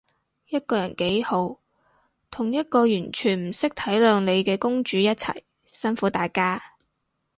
一個人幾好，同一個完全唔識體諒你嘅公主一齊，辛苦大家